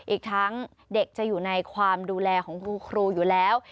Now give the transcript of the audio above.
อีกทั้งเด็กจะอยู่ในความดูแลของคุณครูอยู่แล้ว